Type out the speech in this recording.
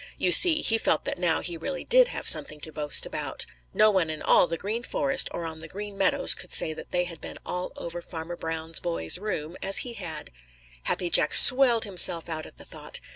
You see, he felt that now he really did have something to boast about. No one else in all the Green Forest or on the Green Meadows could say that they had been all over Farmer Brown's boy's room as he had. Happy Jack swelled himself out at the thought.